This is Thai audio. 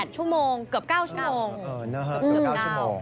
๘ชั่วโมงเกือบ๙ชั่วโมง